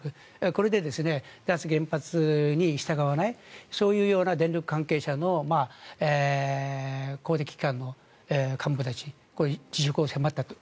これで脱原発に従わないそういうような電力関係者の公的機関の幹部たち辞職を迫ったと。